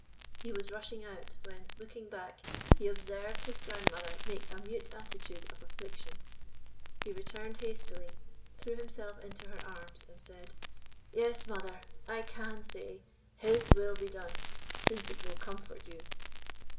He was rushing out, when, looking back, he observed his grandmother make a mute attitude of affliction. He returned hastily, threw himself into her arms, and said, "Yes, mother, I CAN say, HIS will be done, since it will comfort you."